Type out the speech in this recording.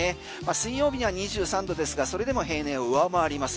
水曜日は２３度ですがそれでも平年を上回ります。